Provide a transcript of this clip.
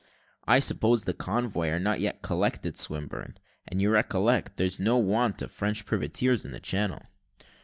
"I suppose the convoy are not yet collected, Swinburne; and you recollect, there's no want of French privateers in the Channel."